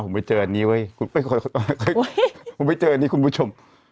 ผมไปเจออันนี้เว้ยคุณค่อยผมไปเจออันนี้คุณผู้ชม